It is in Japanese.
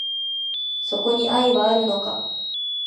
そこに愛はあるのか